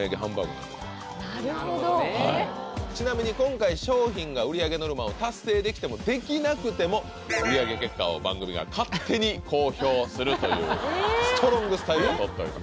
なるほどちなみに今回商品が売り上げノルマを達成できてもできなくても売り上げ結果を番組が勝手に公表するというストロングスタイルをとっております